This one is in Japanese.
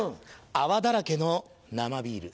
泡だらけの生ビール。